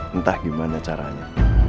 entah gimana caranya